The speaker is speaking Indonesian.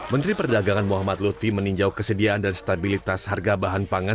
menteri perdagangan muhammad lutfi meninjau kesediaan dan stabilitas harga bahan pangan